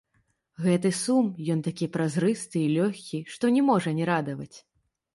Гэты сум, ён такі празрысты і лёгкі, што не можа не радаваць.